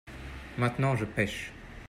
maintenant je pêche.